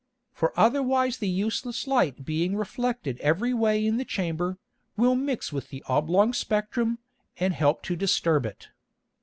For otherwise the useless Light being reflected every way in the Chamber, will mix with the oblong Spectrum, and help to disturb it.